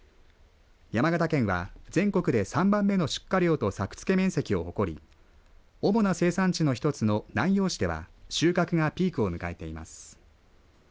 山形県は全国で３番目の出荷量と作付面積を誇り主な生産地の１つの南陽市では収穫がピークを迎えています。